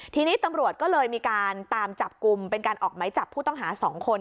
ทีนี้ตำรวจก็เลยมีการตามจับกลุ่มเป็นการออกไหมจับผู้ต้องหา๒คน